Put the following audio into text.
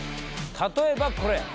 例えばこれ！